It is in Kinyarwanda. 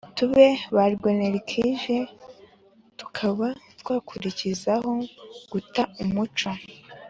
tube ba rwenerikije, tukaba twakurikizaho guta umuco